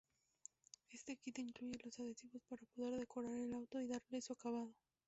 Este kit Incluye los adhesivos para poder decorar el auto y darle su acabado.